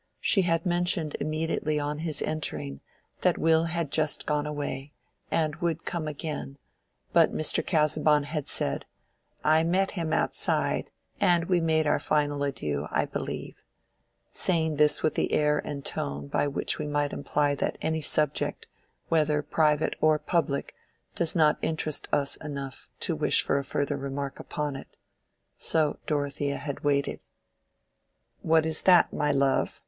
She had mentioned immediately on his entering that Will had just gone away, and would come again, but Mr. Casaubon had said, "I met him outside, and we made our final adieux, I believe," saying this with the air and tone by which we imply that any subject, whether private or public, does not interest us enough to wish for a further remark upon it. So Dorothea had waited. "What is that, my love?"